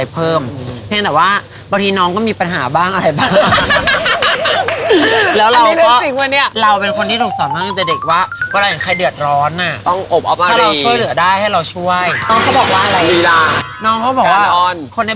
เปิดโลกมาเที่ยวอะไรแบบนี้